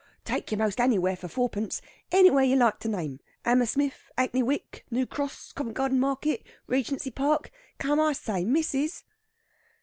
"Take yer 'most anywhere for fourpence! Anywhere yer like to name. 'Ammersmith, 'Ackney Wick, Noo Cross, Covent Garden Market, Regency Park. Come, I say, missis!"